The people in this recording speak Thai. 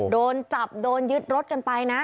โดนจับโดนยึดรถกันไปนะ